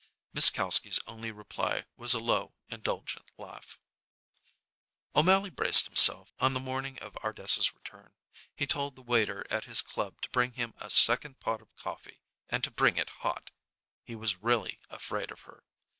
Miss Kalski's only reply was a low, indulgent laugh. O'Mally braced himself on the morning of Ardessa's return. He told the waiter at his club to bring him a second pot of coffee and to bring it hot. He was really afraid of her.